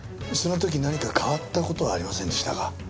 その時何か変わった事はありませんでしたか？